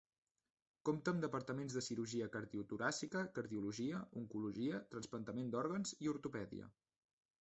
Compta amb departaments de cirurgia cardiotoràcica, cardiologia, oncologia, trasplantament d'òrgans i ortopèdia.